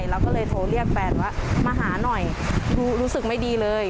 เราก็เลยโทรเรียกแฟนว่ามาหาหน่อยรู้สึกไม่ดีเลย